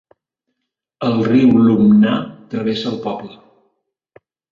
El riu Lomná travessa el poble.